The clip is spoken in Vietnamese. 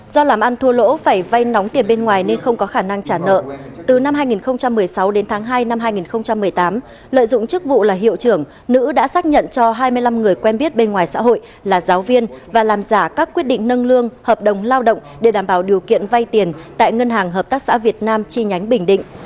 do làm ăn thua lỗ phải vay nóng tiền bên ngoài nên không có khả năng trả nợ từ năm hai nghìn một mươi sáu đến tháng hai năm hai nghìn một mươi tám lợi dụng chức vụ là hiệu trưởng nữ đã xác nhận cho hai mươi năm người quen biết bên ngoài xã hội là giáo viên và làm giả các quyết định nâng lương hợp đồng lao động để đảm bảo điều kiện vay tiền tại ngân hàng hợp tác xã việt nam chi nhánh bình định